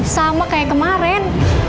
sama kayak kemarin